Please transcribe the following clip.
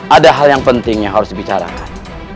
ada hal yang penting yang harus dibicarakan